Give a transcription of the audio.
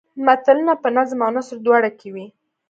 متلونه په نظم او نثر دواړو کې وي